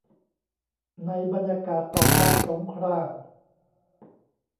ในบรรยากาศต่อต้านสงคราม